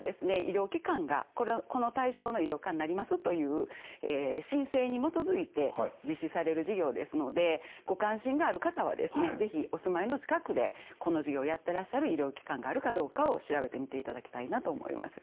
医療機関がこの対象の医療機関になりますという申請に基づいて実施される事業ですのでご関心がある方はですね是非お住まいの近くでこの事業をやってらっしゃる医療機関があるかどうかを調べてみていただきたいなと思います。